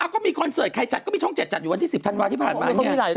ก็มีคอนเสิร์ตใครจัดก็มีช่อง๗จัดอยู่วันที่๑๐ธันวาที่ผ่านมาเนี่ย